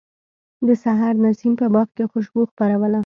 د سحر نسیم په باغ کې خوشبو خپروله.